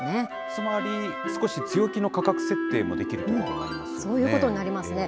つまり、少し強気の価格設定もできるってことになりますよね。